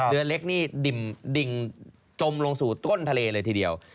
เรือเล็กนี่ดิ่งจมลงสู่ต้นทะเลเลยทีเดียว